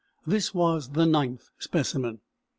This was the ninth specimen.